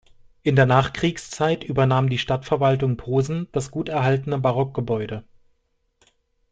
In der Nachkriegszeit übernahm die Stadtverwaltung Posen das gut erhaltene Barockgebäude.